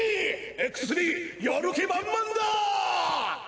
Ｘ−やる気満々だ！